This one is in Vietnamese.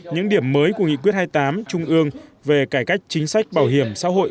những điểm mới của nghị quyết hai mươi tám trung ương về cải cách chính sách bảo hiểm xã hội